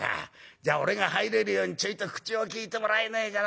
じゃあ俺が入れるようにちょいと口を利いてもらえねえかな』